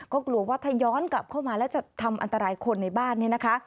ก็กลัวว่าถ้าย้อนกลับเข้ามาแล้วจะทำอันตรายคนในบ้านเนี่ยนะคะ